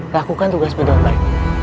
lakukan tugas benar lagi